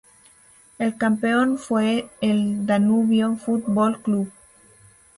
El campeón fue el Danubio Fútbol Club.